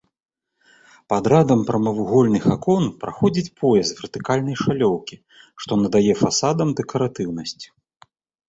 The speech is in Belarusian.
Пад радам прамавугольных акон праходзіць пояс вертыкальнай шалёўкі, што надае фасадам дэкаратыўнасць.